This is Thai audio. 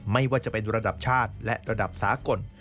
ไม่ว่าจะเป็นระดับชาติและระดับสากล